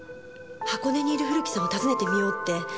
箱根にいる古木さんを訪ねてみようって。